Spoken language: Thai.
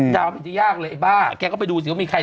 มันจะยากเลยไอ้บ้าแกก็ไปดูสิว่ามีใคร